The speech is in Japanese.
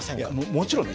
もちろんね